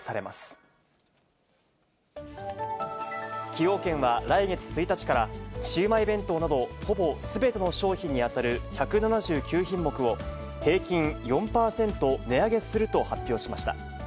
崎陽軒は来月１日から、シウマイ弁当などほぼすべての商品に当たる１７９品目を、平均４％値上げすると発表しました。